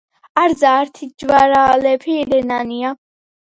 არძა ართი ჯვარალეფი რენანია.